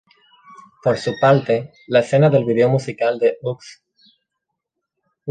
Por su parte, las escenas del video musical de "Oops!...